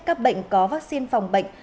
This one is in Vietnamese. các bệnh có vaccine phòng bệnh